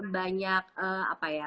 banyak apa ya